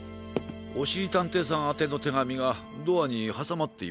おしりたんていさんあてのてがみがドアにはさまっていましたよ。